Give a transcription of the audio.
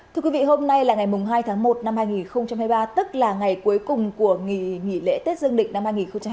thưa quý vị hôm nay là ngày hai tháng một năm hai nghìn hai mươi ba tức là ngày cuối cùng của nghỉ lễ tết dương lịch năm hai nghìn hai mươi bốn